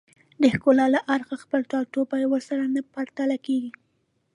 د ښکلا له اړخه خپل ټاټوبی ورسره نه پرتله کېږي